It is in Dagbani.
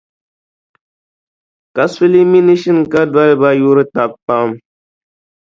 Kasuli mini Shinkadoliba yuri taba pam.